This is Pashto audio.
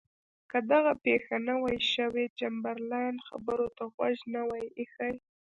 که دغه پېښه نه وای شوې چمبرلاین خبرو ته غوږ نه وای ایښی.